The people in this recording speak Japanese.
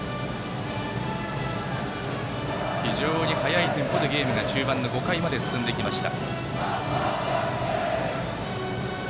非常に速いテンポでゲームが中盤の５回まで進んできました。